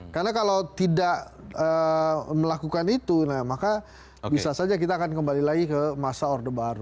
karena kalau tidak melakukan itu maka bisa saja kita akan kembali lagi ke masa order baru